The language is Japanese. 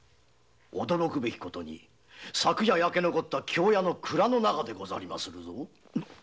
驚くべき事に昨夜焼け残った京屋の蔵の中でござりまするぞ。